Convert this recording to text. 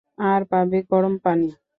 আর পাবে গরম পানি।